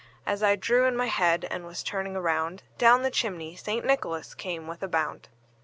As I drew in my head, and was turning around, Down the chimney St. Nicholas came with a bound.